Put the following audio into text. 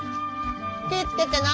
気ぃ付けてな。